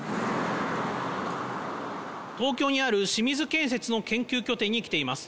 東京にある清水建設の研究拠点に来ています。